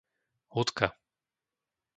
Hutka